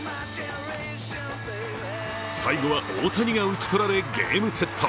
最後は大谷が打ち取られ、ゲームセット。